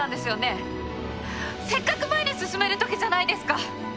せっかく前に進めるときじゃないですか。